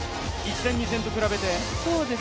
１戦、２戦と比べて？